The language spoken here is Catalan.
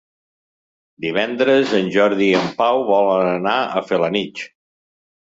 Divendres en Jordi i en Pau volen anar a Felanitx.